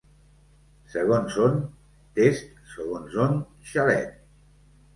Segons on, test, segons on, xalet.